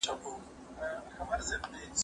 زه به اوږده موده پاکوالي ساتلي وم